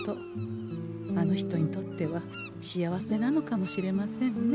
あの人にとっては幸せなのかもしれませんね。